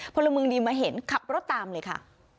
พลเมืองดีมาเห็นขับรถตามเลยค่ะ